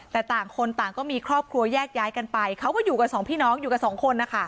แต่ต่างคนต่างก็มีครอบครัวแยกย้ายกันไปเขาก็อยู่กันสองพี่น้องอยู่กับสองคนนะคะ